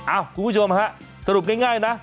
อ้าวคุณผู้ชมค่ะสรุปง่ายนะ